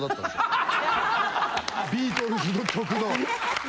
ビートルズの曲の。